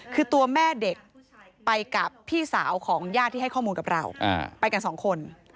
คือตัวแม่เด็กไปกับพี่สาวของญาติที่ให้ข้อมูลกับเราไปกันสองคน